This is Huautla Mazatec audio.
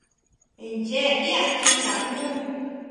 Ncheé ti atji tajñu.